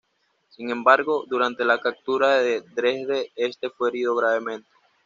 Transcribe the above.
Sin embargo, durante la captura de Dresde este fue herido gravemente.